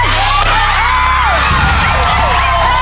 มือ